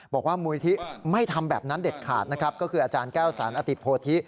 มูลิธิไม่ทำแบบนั้นเด็ดขาดนะครับก็คืออาจารย์แก้วสารอติโพธิ